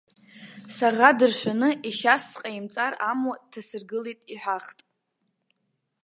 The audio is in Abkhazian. Саӷа дыршәаны, ешьас сҟаимҵар амуа дҭасыргылеит, иҳәахт.